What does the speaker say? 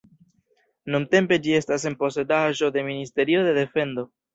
Nuntempe ĝi estas en posedaĵo de Ministerio de defendo.